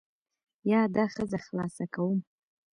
یا دا ښځه خلاصه کوم.